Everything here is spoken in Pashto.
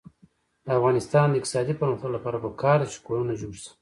د افغانستان د اقتصادي پرمختګ لپاره پکار ده چې کورونه جوړ شي.